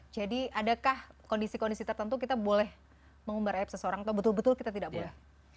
jadi adakah kondisi kondisi tertentu kita boleh mengumbar aib seseorang atau betul betul kita tidak boleh